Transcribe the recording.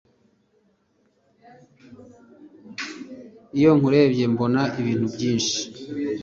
Iyo nkurebye mbona ibintu byinshi;